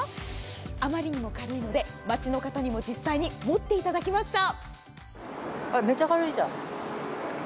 あまりにも軽いので街の方にも実際に持っていただきました。